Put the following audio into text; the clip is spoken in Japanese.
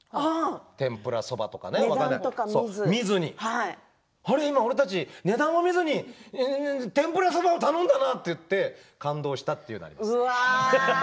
天ぷらそばとか値段とか見ずに今、俺たち値段を見ないで天ぷらそばを頼んだな！って感動したということがあります。